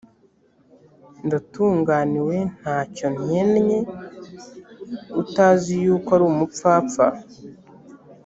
ndatunganiwe nta cyo nkennye utazi yuko uri umupfapfa